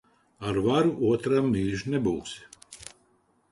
Ar varu otram mīļš nebūsi.